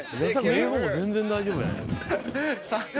英語も全然大丈夫やね。